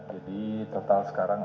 jadi total sekarang